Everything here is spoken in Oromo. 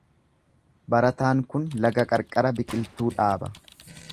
Barataan kun laga qarqara biqiltuu dhaaba.